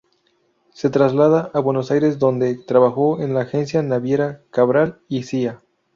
Se traslada a Buenos Aires donde trabajó en la agencia naviera Cabral y Cía.